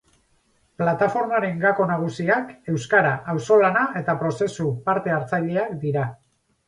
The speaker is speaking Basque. Plataformaren gako nagusiak euskara, auzolana eta prozesu parte-hartzaileak dira.